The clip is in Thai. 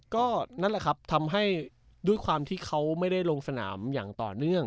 ก็นั่นแหละครับทำให้ด้วยความที่เขาไม่ได้ลงสนามอย่างต่อเนื่อง